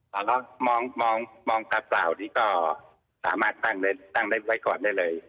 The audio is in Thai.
เหมือนกับสาวนี้ก็สามารถตั้งไว้ก่อนได้เลย